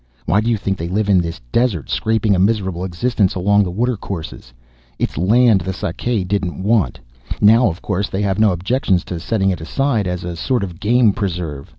"Why do you think they live in this desert, scraping a miserable existence along the watercourses? It's land the Sakae didn't want. Now, of course, they have no objection to setting it aside as a sort of game preserve.